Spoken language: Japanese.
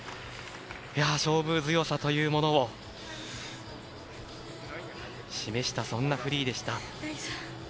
勝負強さというものを示したそんなフリーでした。